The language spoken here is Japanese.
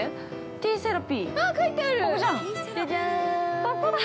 ◆ティーセラピー。